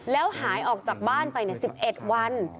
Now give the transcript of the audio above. แล้วหายออกจากบ้านไป๑๑วัน